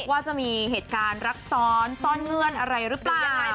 ว่าจะมีเหตุการณ์รักซ้อนซ่อนเงื่อนอะไรหรือเปล่ายังไง